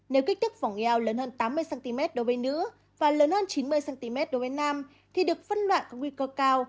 nếu kích tức phòng nghèo lớn hơn tám mươi cm đối với nữ và lớn hơn chín mươi cm đối với nam thì được phân loại có nguy cơ cao